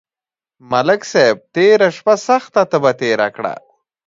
ملک صاحب تېره میاشت سخته تبه تېره کړه